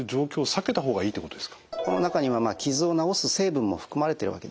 この中には傷を治す成分も含まれてるわけですよね。